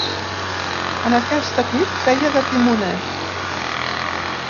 En aquest equip feia de timoner.